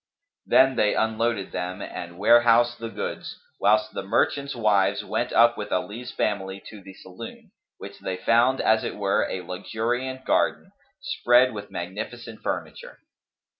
Then they unloaded them and warehoused the goods whilst the merchants' wives went up with Ali's family to the saloon, which they found as it were a luxuriant garden, spread with magnificent furniture.